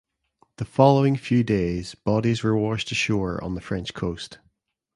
The following few days bodies were washed ashore on the French coast.